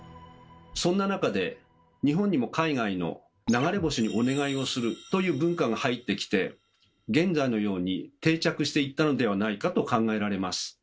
そんな中で日本にも海外の「流れ星にお願いをする」という文化が入ってきて現在のように定着していったのではないかと考えられます。